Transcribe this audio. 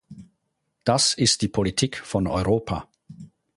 Das ist die Politik von Europa.